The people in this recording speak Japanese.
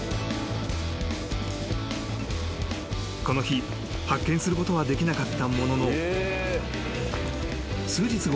［この日発見することはできなかったものの数日